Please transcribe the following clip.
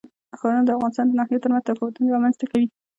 ښارونه د افغانستان د ناحیو ترمنځ تفاوتونه رامنځ ته کوي.